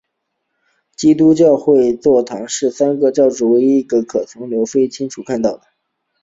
基督教会座堂是的三个主教座堂中唯一一个可以从利菲河清楚地看到的。